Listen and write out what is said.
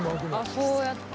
あっそうやって。